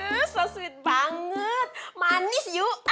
hmm so sweet banget manis yuk